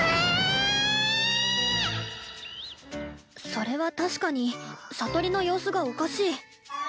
⁉それは確かに聡里の様子がおかしい。